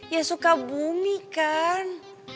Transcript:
ya suka bumi kan